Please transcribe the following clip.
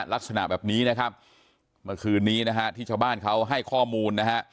ลักษณะแบบนี้นะครับเมื่อคืนนี้นะฮะที่ชาวบ้านเขาให้ข้อมูลนะฮะ